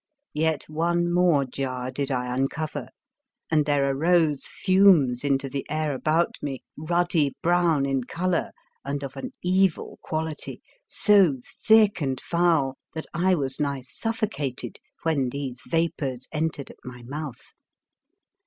Yet one more jar did I uncover, and there arose fumes into the air about me, ruddy brown in colour, and of an evil quality, so thick and foul that I was nigh suffocated when these vapours entered at my mouth.